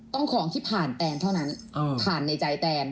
ของที่ผ่านแตนเท่านั้นผ่านในใจแตน